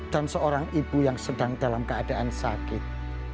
dan seorang ibu yang sedang dalam keadaan sakit